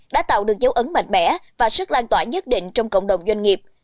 đã tạo được dấu ấn mạnh mẽ và sức lan tỏa nhất định trong cộng đồng doanh nghiệp